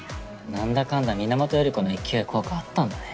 何だかんだ皆本頼子の勢い効果あったんだね。